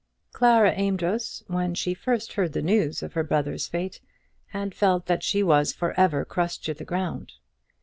Clara Amedroz, when she first heard the news of her brother's fate, had felt that she was for ever crushed to the ground.